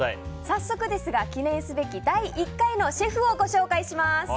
早速ですが記念すべき第１回のシェフをご紹介します。